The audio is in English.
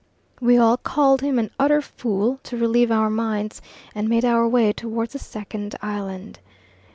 We all called him an utter fool to relieve our minds, and made our way towards the second island.